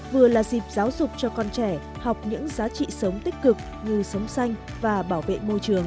vừa là dịp giáo dục cho con trẻ học những giá trị sống tích cực như sống xanh và bảo vệ môi trường